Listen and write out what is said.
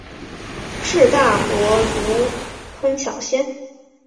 治大国如烹小鲜。